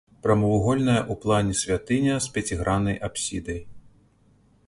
Прамавугольная ў плане святыня з пяціграннай апсідай.